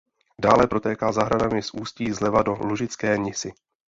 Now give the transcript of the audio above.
Dále protéká zahradami a ústí zleva do Lužické Nisy.